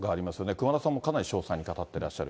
熊田さんもかなり詳細に語ってらっしゃる。